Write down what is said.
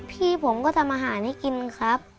พี่ผมก็ทำอาหารให้กินครับ